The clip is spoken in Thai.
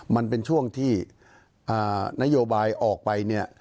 มันเป็นช่วงที่นโยบายออกไปเนี่ย